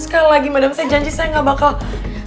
sekarang lagi madan saya janji saya gak bawa dia keluar